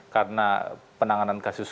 karena penanganan kasus